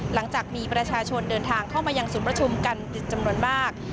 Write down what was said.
หลังจากมีประชาชนเดินทางเข้ามายังศูนย์ประชุมกันจำนวนมาก